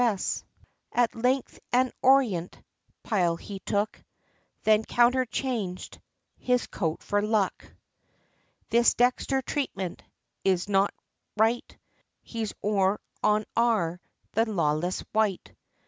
AT length, an Orient Pile, he took, Then Counterchanged, His Coat for luck! This Dexter treatment, Is not right; He's Or, on Ar, The lawless wight!